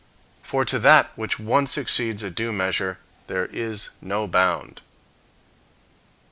For to that which once exceeds a due measure, there is no bound. 40.